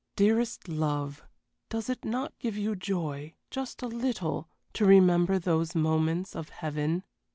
Dearest love, does it not give you joy just a little to remember those moments of heaven?